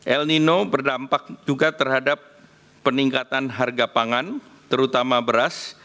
el nino berdampak juga terhadap peningkatan harga pangan terutama beras